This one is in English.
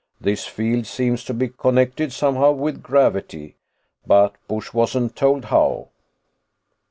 This field seems to be connected somehow with gravity, but Busch wasn't told how.